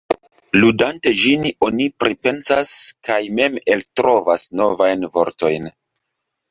Ludante ĝin oni pripensas kaj mem eltrovas novajn vortojn.